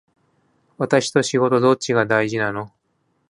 私と仕事どっちが大事なの